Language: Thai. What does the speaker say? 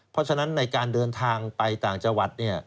เพราะฉะนั้นในการเดินทางไปต่างจังหวัด